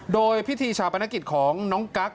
โดยพิธีชาปนกิจของน้องกั๊ก